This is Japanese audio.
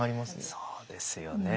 そうですよね。